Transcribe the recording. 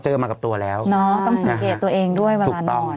เจอมากับตัวแล้วนะฮะถูกต้องต้องสังเกตตัวเองด้วยเวลานอน